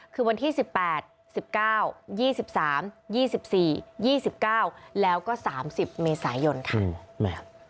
คือวันที่๑๘๑๙๒๓๒๔๒๙แล้วก็๓๐เมษายนค่ะ